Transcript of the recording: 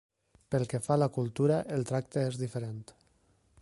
Pel que fa a la cultura, el tracte és diferent.